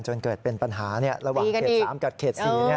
จนเกิดเป็นปัญหาระหว่างเขต๓กับเขต๔